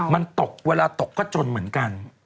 มันตกเวลาตกก็จนเหมือนกัน